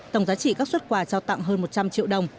tổng giá trị các xuất quà trao tặng hơn một trăm linh triệu đồng